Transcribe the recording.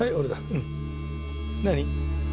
うん。何？